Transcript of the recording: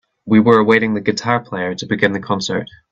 We were awaiting the guitar player to begin the concert.